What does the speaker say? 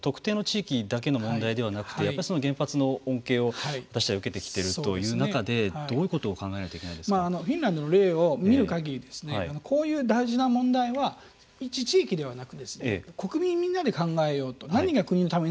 真山さん、本当に冒頭おっしゃってましたけど特定の地域だけの問題ではなくて原発の恩恵を確かに受けてきているという中でどういうことをフィンランドの例を見るかぎりこういう大事な問題はいち地域ではなく国民みんなで考えようと。